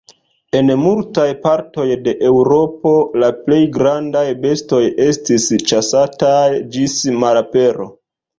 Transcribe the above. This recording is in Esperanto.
En multaj partoj de Eŭropo la plej grandaj bestoj estis ĉasataj ĝis malapero.